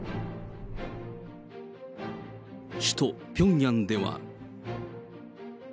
首都ピョンヤンでは。